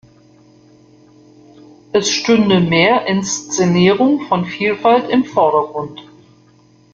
Es stünde mehr Inszenierung von Vielfalt im Vordergrund.